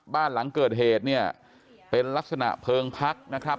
บ้านหลังเกิดเหตุเนี่ยเป็นลักษณะเพลิงพักนะครับ